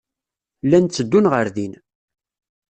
Llan tteddun ɣer din.